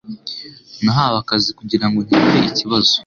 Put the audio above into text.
Nahawe akazi kugirango nkemure ikibazo.